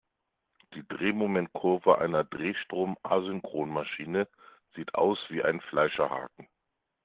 Die Drehmomentkurve einer Drehstrom-Asynchronmaschine sieht aus wie ein Fleischerhaken.